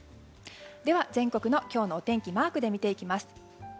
では、全国の今日のお天気をマークで見ていきます。